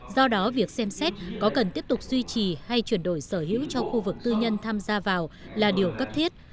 do đó việc xem xét có cần tiếp tục duy trì hay chuyển đổi sở hữu cho khu vực tư nhân tham gia vào là điều cấp thiết